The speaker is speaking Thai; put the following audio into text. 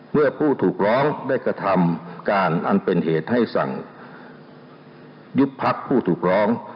เมื่อผู้ถูกร้องได้กระทำการอันเป็นเหตุให้สั่งยุบพักผู้ถูกร้อง